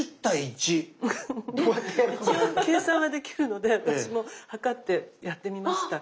一応計算はできるので私も計ってやってみました。